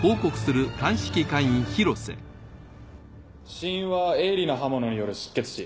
死因は鋭利な刃物による失血死。